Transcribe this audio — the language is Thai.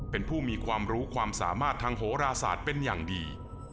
เป็นผู้มีความรู้ความสามารถทางโหราศาสตร์เป็นอย่างดี